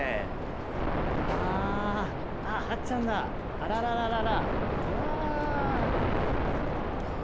あらららららわあ。